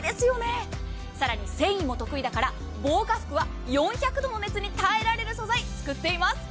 更に繊維も得意だから防火服は４００度の熱に耐えられる素材を作っています。